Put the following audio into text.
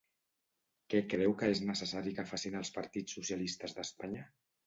Què creu que és necessari que facin els partits socialistes d'Espanya?